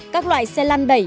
các loại xe lăn đẩy